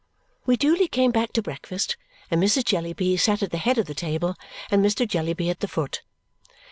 We duly came back to breakfast, and Mrs. Jellyby sat at the head of the table and Mr. Jellyby at the foot.